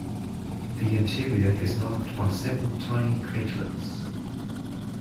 The interior is marked by several tiny craterlets.